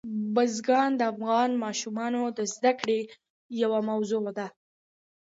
بزګان د افغان ماشومانو د زده کړې یوه موضوع ده.